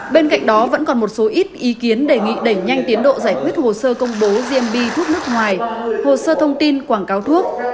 bên cạnh đó vẫn còn một số ít ý kiến đề nghị đẩy nhanh tiến độ giải quyết hồ sơ công bố gmb thuốc nước ngoài hồ sơ thông tin quảng cáo thuốc